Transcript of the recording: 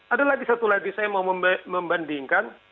ada lagi satu lagi saya mau membandingkan